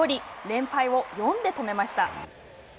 連敗を４で止めました。